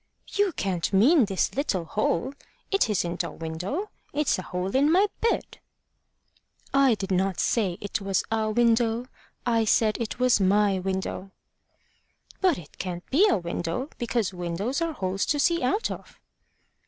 "You can't mean this little hole! It isn't a window; it's a hole in my bed." "I did not say it was a window: I said it was my window." "But it can't be a window, because windows are holes to see out of."